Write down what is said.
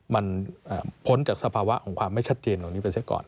มันพ้นจากสภาวะของความไม่ชัดเจนเหล่านี้ไปซะก่อน